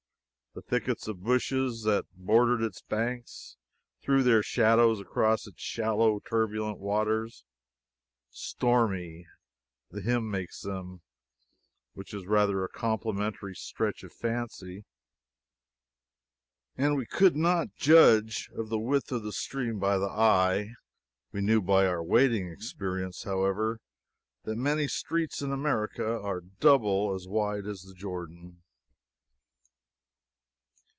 The thickets of bushes that bordered its banks threw their shadows across its shallow, turbulent waters ("stormy," the hymn makes them, which is rather a complimentary stretch of fancy,) and we could not judge of the width of the stream by the eye. We knew by our wading experience, however, that many streets in America are double as wide as the Jordan.